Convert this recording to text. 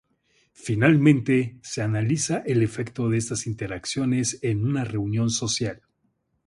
Finalmente, se analiza el efecto de estas interacciones en una reunión social.